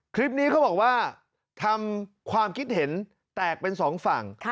คลิปนี้เขาบอกว่าทำความคิดเห็นแตกเป็นสองฝั่ง